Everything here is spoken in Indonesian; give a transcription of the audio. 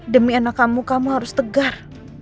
demi anak kamu kamu harus tegar